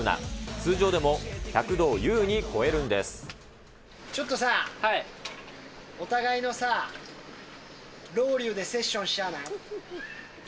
通常でも、ちょっとさ、お互いのさ、ロウリュウでセッションしちゃわない。